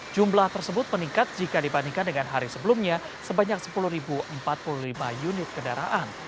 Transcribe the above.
jumlah tersebut meningkat jika dibandingkan dengan hari sebelumnya sebanyak sepuluh empat puluh lima unit kendaraan